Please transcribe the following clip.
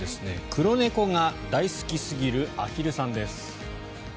黒猫が大好きすぎるアヒルさんです。